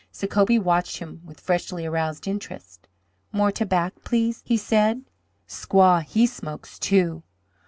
Sacobie watched him with freshly aroused interest. "More tobac, please," he said. "Squaw, he smoke, too."